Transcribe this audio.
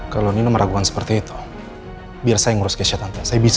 kalau ini meragukan seperti itu biar saya ngurus gesya tante saya bisa